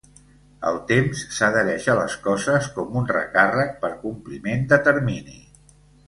El temps s'adhereix a les coses com un recàrrec per compliment de termini.